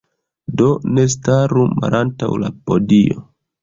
Do, ne staru malantaŭ la podio.